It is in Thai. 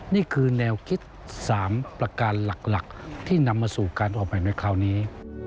นี่คือแนวคิด๓ประการหลักที่นำมาสู่การออกใหม่ในคราวนี้